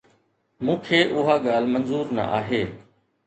مون کي اها ڳالهه منظور نه آهي